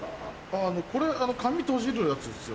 あこれ紙とじるやつですよね？